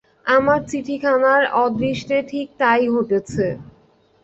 আমার চিঠিখানার অদৃষ্টে ঠিক তাই ঘটেছে।